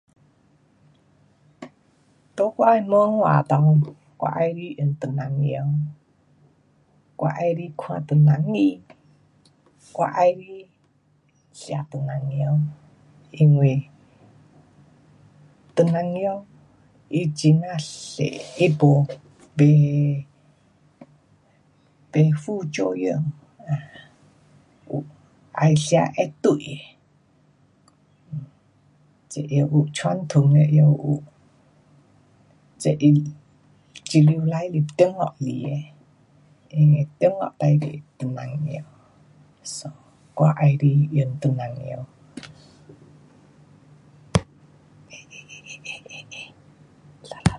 在我的文化内，我喜欢用唐人药，我喜欢看唐人医，我喜欢吃唐人药，因为唐人药它很呀多，它没，不，不副作用，[um]要吃会对，这药有传统的药有，这由，由来是中国来的，因为中国最多唐人药，so我喜欢用唐人药。诶，诶，诶，诶，诶，诶，诶salah